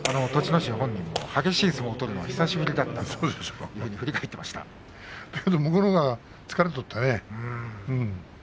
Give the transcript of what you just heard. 心本人も激しい相撲を取るのは久しぶりだったとだけど向こうのほうが疲れとったね。